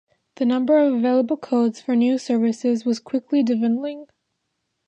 The number of available codes for new services was quickly dwindling.